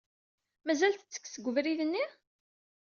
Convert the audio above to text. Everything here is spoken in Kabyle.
Mazal tettekk seg ubrid-nni?